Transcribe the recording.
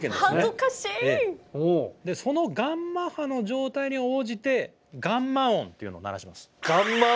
そのガンマ波の状態に応じてガンマオンというのを鳴らします。